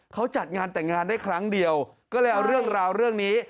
เขาจัดงานแต่งงานได้ครั้งเดียวก็เลยเอาเรื่องราวเรื่องนี้